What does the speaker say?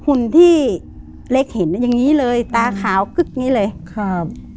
หุ่นที่เล็กเห็นอย่างงี้เลยตาขาวกึ๊กนี้เลยครับ